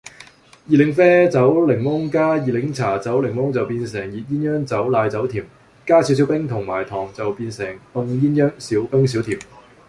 熱檸啡走檸檬加熱檸茶走檸檬就變成熱鴛鴦走奶走甜，加少少冰同埋糖就變成凍鴛鴦少冰少甜